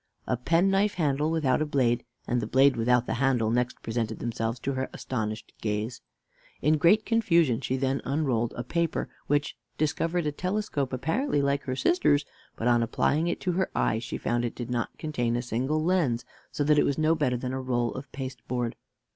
A penknife handle without a blade, and the blade without the handle, next presented themselves to her astonished gaze. In great confusion she then unrolled a paper which discovered a telescope apparently like her sister's; but on applying it to her eye, she found it did not contain a single lens so that it was no better than a roll of pasteboard.